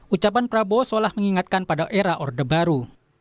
ucapan prabowo seolah mengingatkan pada era orde baru